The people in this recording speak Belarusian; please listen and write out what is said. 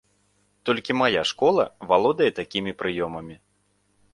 Толькі мая школа валодае такімі прыёмамі!